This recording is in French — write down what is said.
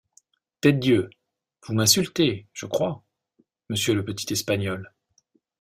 Tête-dieu! vous m’insultez, je crois, monsieur le petit espagnol.